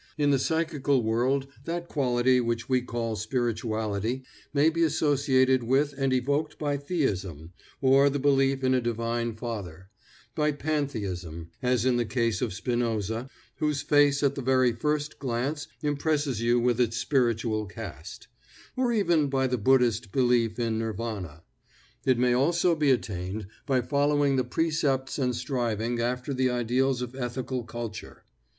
In the psychical world that quality which we call spirituality may be associated with and evoked by Theism, or the belief in a Divine Father; by Pantheism, as in the case of Spinoza, whose face at the very first glance impresses you with its spiritual cast; or even by the Buddhist belief in Nirvana. It may also be attained by following the precepts and striving after the ideals of Ethical Culture.